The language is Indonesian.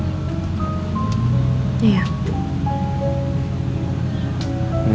ini abisin ya